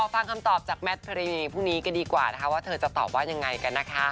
ฟังคำตอบจากแมทพรีพรุ่งนี้กันดีกว่านะคะว่าเธอจะตอบว่ายังไงกันนะคะ